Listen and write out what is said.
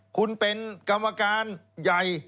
คุณเป็นกรรมการใหญ่